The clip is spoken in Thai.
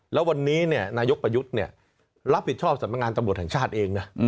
แล้ววันนี้เนี่ยนายกประยุทธ์เนี่ยรับผิดชอบสัมพงานตำงรถแห่งชาติเองนะ